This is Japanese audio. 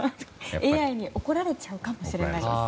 ＡＩに怒られちゃうかもしれないです。